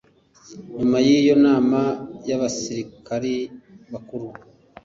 Nyuma y'iyo nama y'abasirikari bakuru